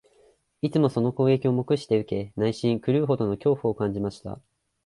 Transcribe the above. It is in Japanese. いつもその攻撃を黙して受け、内心、狂うほどの恐怖を感じました